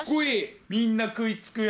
みんな食い付くや！